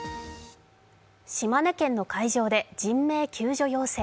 島根県の海上で人命救助要請。